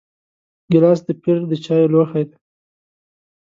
ګیلاس د پیر د چایو لوښی دی.